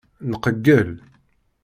Nqeyyel.